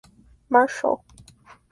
Marshal.